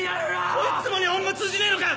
こいつも日本語通じねえのかよ。